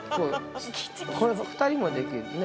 ◆これ２人もできるね。